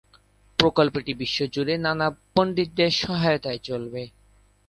প্রকল্পটি বিশ্বজুড়ে নানা পণ্ডিতদের সহায়তায় চলবে।